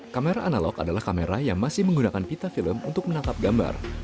kamera analog adalah kamera yang masih menggunakan pita film untuk menangkap gambar